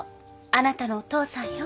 あなたのお父さんよ。